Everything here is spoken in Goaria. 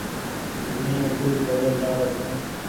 مين گل توڙين جآ رو ڇي۔